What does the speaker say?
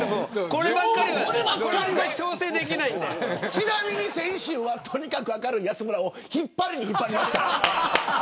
ちなみに先週はとにかく明るい安村を引っ張りに引っ張りました。